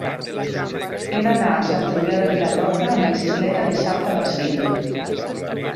He d'anar a Sant Julià de Vilatorta amb bicicleta dissabte a les cinc.